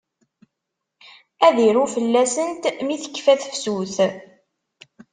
Ad iru fell-asent mi tekfa tefsut.